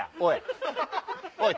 おい！